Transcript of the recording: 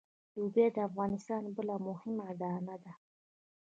لوبیا د افغانستان بله مهمه دانه ده.